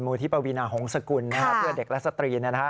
ที่ปวีนาหงษกุลเพื่อเด็กและสตรี